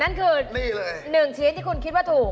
นั่นคือนี่เลย๑ชิ้นที่คุณคิดว่าถูก